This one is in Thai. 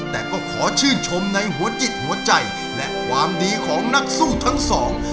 แต่ก็ขอชื่นชมในหัวจิตหัวใจและความดีของนักสู้ทั้งสอง